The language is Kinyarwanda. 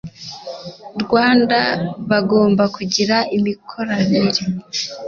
Rwanda bagomba kugira imikoranire